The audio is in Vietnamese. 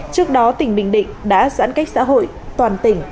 trước đó tỉnh bình định đã giãn cách xã hội toàn tỉnh